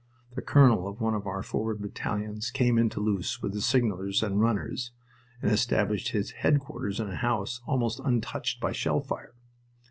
The colonel of one of our forward battalions came into Loos with his signalers and runners, and established his headquarters in a house almost untouched by shell fire.